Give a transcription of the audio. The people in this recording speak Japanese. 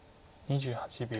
２８秒。